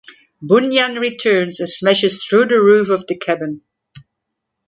Bunyan returns and smashes through the roof of the cabin.